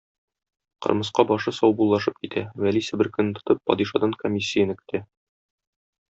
Кырмыска башы саубуллашып китә, Вәли себеркене тотып падишадан комиссияне көтә!